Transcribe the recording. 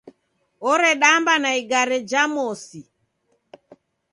Oredamba na igare ja mosi.